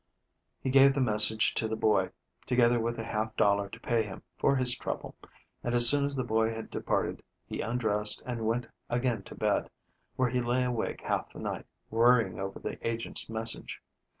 He gave the message to the boy, together with a half dollar to pay him for his trouble, and, as soon as the boy had departed, he undressed and went again to bed, where he lay awake half the night, worrying over the agent's message.